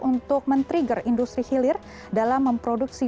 untuk men trigger industri hilir dalam memproduksi